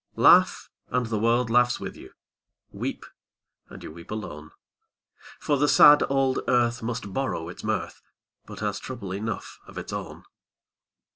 Laugh, and the world laughs with you; Weep, and you weep alone; For the sad old earth must borrow its mirth, But has trouble enough of its own.